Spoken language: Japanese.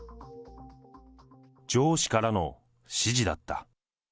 上司からの指示だった。